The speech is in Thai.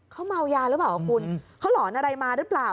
เขาเมายาหรือเปล่าคุณเขาหลอนอะไรมาหรือเปล่า